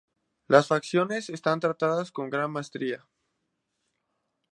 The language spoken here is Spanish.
Las facciones están tratadas con gran maestría.